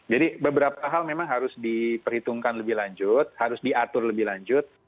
jadi beberapa hal memang harus diperhitungkan lebih lanjut harus diatur lebih lanjut